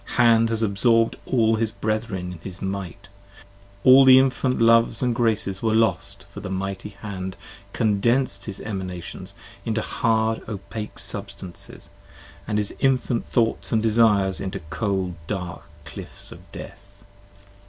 Hand has absorb'd all his Brethren in his might; 44 All the infant Loves & Graces were lost, for the mighty Hand p. 9 CONDENS'D his Emanations into hard opake substances, And his infant thoughts & desires into cold, dark, cliffs of death.